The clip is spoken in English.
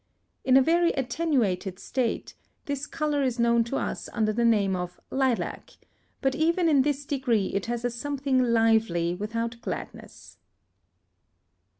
In a very attenuated state, this colour is known to us under the name of lilac; but even in this degree it has a something lively without gladness.